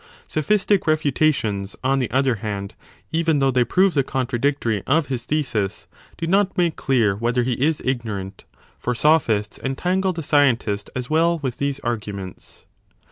Sophistic refutations on the other hand, even though they prove the contradictory of his thesis, do not make clear whether he is ignorant : for sophists entangle the scientist as well with these arguments.